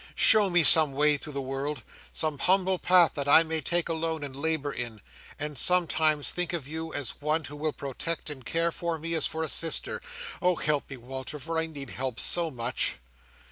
Show me some way through the world—some humble path that I may take alone, and labour in, and sometimes think of you as one who will protect and care for me as for a sister! Oh, help me, Walter, for I need help so much!"